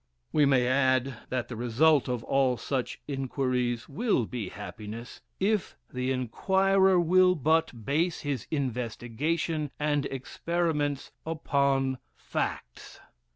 We may add that the result of all such inquiries will be happiness, if the inquirer will but base his investigation and experiments upon facts.